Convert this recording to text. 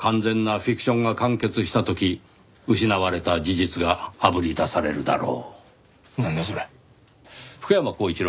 「フィクションが完結した時」？「失われた事実があぶり出されるだろう」。